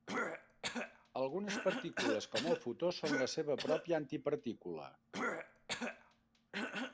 Algunes partícules, com el fotó, són la seva pròpia antipartícula.